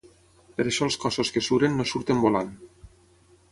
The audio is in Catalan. Per això els cossos que suren no surten volant.